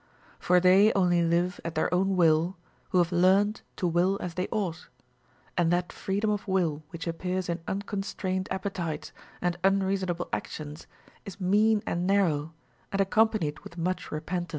For they only live at their own Avill who have learned to will as they ought ; and that freedom of will which appears in unconstrained appetites and unreasonable actions is mean and narrow, and accompanied with much repentance.